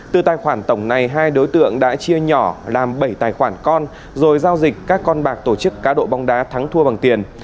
từ tài khoản tổng này hai đối tượng đã chia nhỏ làm bảy tài khoản con rồi giao dịch các con bạc tổ chức cá độ bóng đá thắng thua bằng tiền